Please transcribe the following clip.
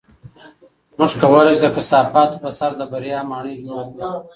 موږ کولی شو د کثافاتو په سر د بریا ماڼۍ جوړه کړو.